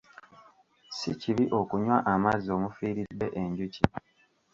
Si kibi okunywa amazzi omufiiridde enjuki.